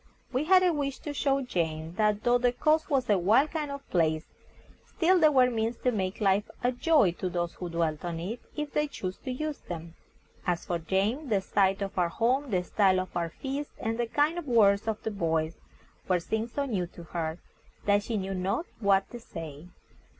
We had a wish to show Jane that, though the coast was a wild kind of place, still there were means to make life a joy to those who dwelt on it, if they chose to use them. As for Jane, the sight of our home, the style of our feast, and the kind words of the boys, were things so new to her, that she knew not what to say.